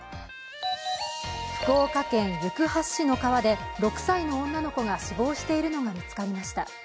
福岡県行橋市の川で６歳の女の子が死亡しているのが見つかりました。